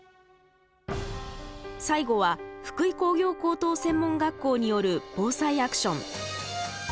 最後は福井工業高等専門学校による「ＢＯＳＡＩアクション」。